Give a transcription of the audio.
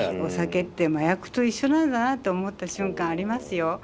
お酒って麻薬と一緒なんだなって思った瞬間ありますよ。